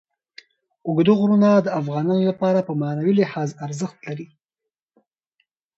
اوږده غرونه د افغانانو لپاره په معنوي لحاظ ارزښت لري.